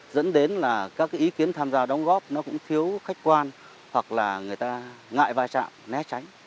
dẫn đến là các cái ý kiến tham gia đóng góp nó cũng thiếu khách quan hoặc là người ta ngại vai trạm né tránh